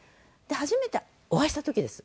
初めてお会いした時です